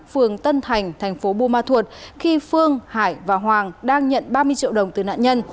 phường tân thành tp bua ma thuột khi phương hải và hoàng đang nhận ba mươi triệu đồng từ nạn nhân